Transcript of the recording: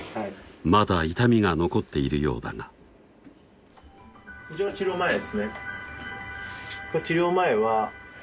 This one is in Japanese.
まだ痛みが残っているようだがなしで？